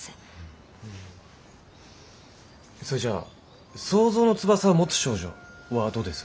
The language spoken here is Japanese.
それじゃ「想像の翼を持つ少女」はどうです？